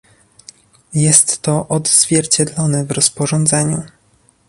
Jest to odzwierciedlone w rozporządzeniu